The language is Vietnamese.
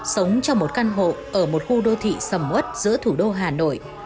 sống trong một căn hộ ở một khu đô thị sầm ớt giữa thủ đô hà nội